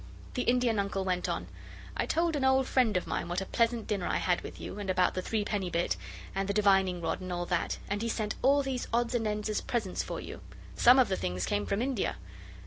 The Indian Uncle went on: 'I told an old friend of mine what a pleasant dinner I had with you, and about the threepenny bit, and the divining rod, and all that, and he sent all these odds and ends as presents for you. Some of the things came from India.